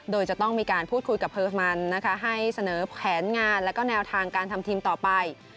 โดยจะต้องมีการพูดคุยกับเฮอร์มันนะคะให้เสนอแผนงานแล้วก็แนวทางการทำทีมต่อไป